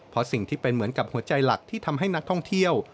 เพราะสิ่งที่เป็นเหมือนกับหัวใจหลักที่ทำให้นักท่องเที่ยว